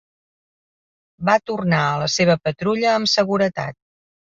Va tornar a la seva patrulla amb seguretat.